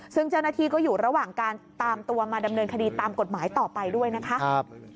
ซึ่งเจ้าหน้าที่ก็อยู่ระหว่างการตามตัวมาดำเนินคดีตามกฎหมายต่อไปด้วยนะคะ